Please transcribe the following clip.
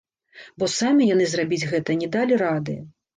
Бо самі яны зрабіць гэта не далі рады.